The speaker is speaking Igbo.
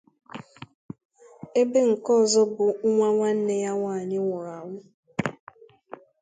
ebe nke ọzọ bụ nwa nwanne ya nwaanyị nwụrụ anwụ